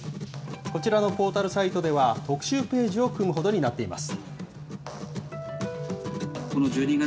こちらのポータルサイトでは、特集ページを組むほどになっています。